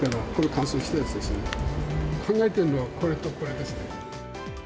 考えているのは、これとこれです